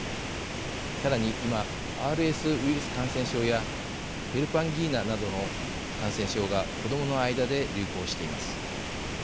さらに今ＲＳウイルス感染症やヘルパンギーナなどの感染症が子どもの間で流行しています。